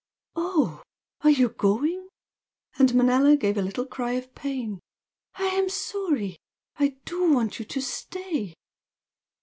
"Oh, are you going?" and Manella gave a little cry of pain "I am sorry! I do want you to stay!"